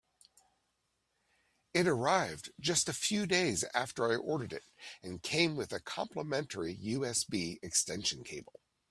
It arrived just a few days after I ordered it, and came with a complementary USB extension cable.